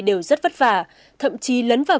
đều rất vất vả thậm chí lấn vào